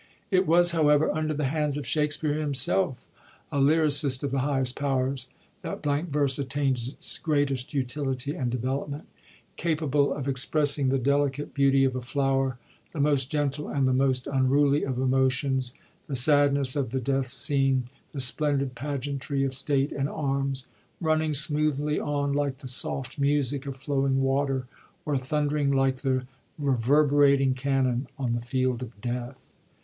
It was, however, under the hands of Shakspere, himself a lyricist of the highest powers, that blank verse attaind its greatest utility and develop ment, capable of expressing the delicate beauty of a flower, the most gentle and the most unruly of emotions, the sadness of the death scene, the splendid pageantry of state and arms — running smoothly on like the soft music of flowing water, or thundering like the rever berating cannon on the field of death.